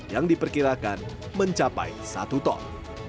yang diperkirakan mencapai satu ton